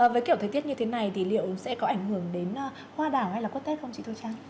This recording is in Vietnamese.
với kiểu thời tiết như thế này thì liệu sẽ có ảnh hưởng đến hoa đào hay là quốc tết không chị thôi trang